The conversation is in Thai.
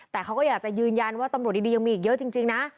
แต่เขาก็อยากจะยืนยันว่าตำรวจดียังมีอีกเยอะจริงนะ